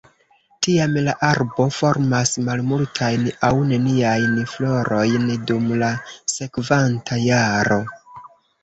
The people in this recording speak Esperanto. Tiam la arbo formas malmultajn aŭ neniajn florojn dum la sekvanta jaro.